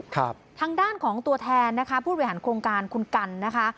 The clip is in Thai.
ทางด้านของตัวแทนนะคะผู้บริหารโครงการคุณกันนะคะ